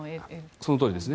そのとおりですね。